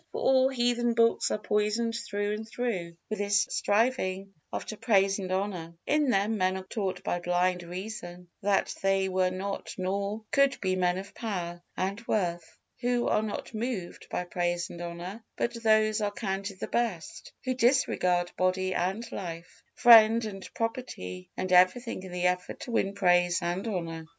For all heathen books are poisoned through and through with this striving after praise and honor; in them men are taught by blind reason that they were not nor could be men of power and worth, who are not moved by praise and honor; but those are counted the best, who disregard body and life, friend and property and everything in the effort to win praise and honor.